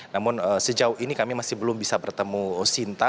namun sejauh ini kami masih belum bisa bertemu sinta